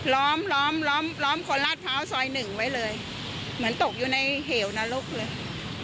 ล้อมล้อมล้อมล้อมคนลาดพร้าวซอยหนึ่งไว้เลยเหมือนตกอยู่ในเหวนรกเลย